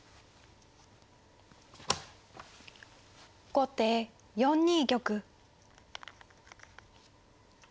後手４二玉。